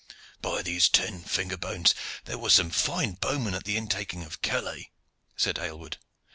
"By these ten finger bones! there were some fine bowmen at the intaking of Calais," said Aylward.